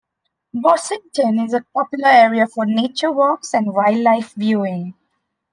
Bossington is a popular area for nature walks and wildlife viewing.